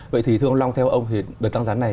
vậy thì thưa ông long theo ông thì đợt tăng giá này